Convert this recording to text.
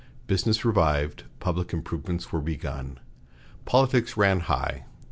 Business revived, public improvements were begun, politics ran high.